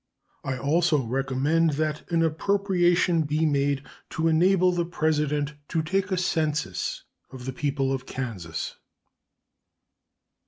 I also recommend that an appropriation may be made to enable the President to take a census of the people of Kansas.